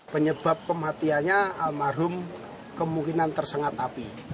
penyebab kematiannya almarhum kemungkinan tersengat api